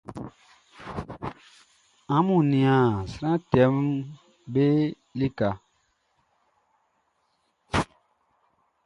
Amun nian sran tɛʼm be lika.